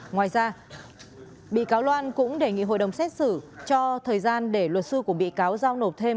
ngoài ra bị cáo loan cũng đề nghị hội đồng xét xử cho thời gian để luật sư của bị cáo giao nộp thêm